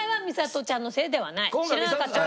知らなかったから。